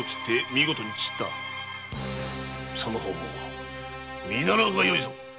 その方も見習うがよいぞ